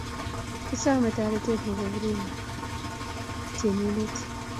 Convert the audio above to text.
kisame taretet nebo bruni tienitet.